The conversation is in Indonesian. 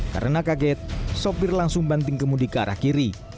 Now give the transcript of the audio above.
karena kaget sopir langsung banting ke mudi ke arah kiri